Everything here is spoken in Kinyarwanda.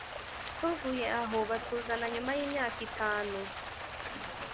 tuvuye aho batuzana nyuma y’imyaka itanu